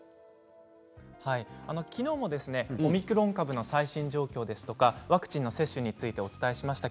きのうもオミクロン株の最新状況やワクチン接種についてお伝えしました。